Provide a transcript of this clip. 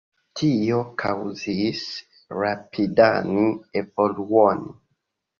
Tio kaŭzis rapidan evoluon.